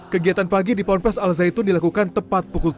kegiatan pagi di pondok pesantren al zaitun dilakukan tepat pukul tujuh